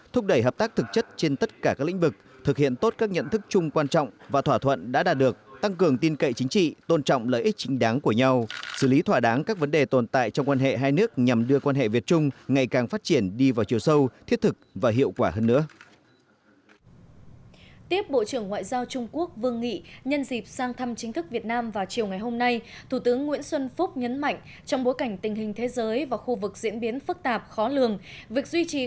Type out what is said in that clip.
thúc đẩy hợp tác và phát triển của khu vực cũng như trên thế giới